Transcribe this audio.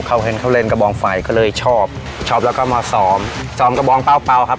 เขาเห็นเขาเล่นกระบองไฟก็เลยชอบชอบแล้วก็มาซ้อมซ้อมกระบองเปล่าเปล่าครับ